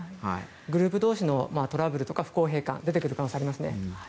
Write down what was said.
グループ同士のトラブルや不公平感が出てくる可能性がありますね。